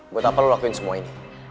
buat apa lo lakuin semua ini